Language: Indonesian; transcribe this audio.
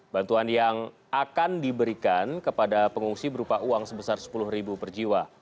bantuan yang akan diberikan kepada pengungsi berupa uang sebesar sepuluh ribu per jiwa